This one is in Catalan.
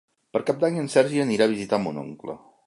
Per Cap d'Any en Sergi anirà a visitar mon oncle.